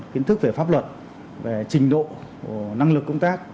kiến thức về pháp luật về trình độ năng lực công tác